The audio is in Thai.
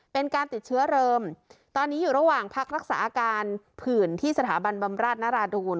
เป็นการติดเชื้อเริ่มตอนนี้อยู่ระหว่างพักรักษาอาการผื่นที่สถาบันบำราชนราดูล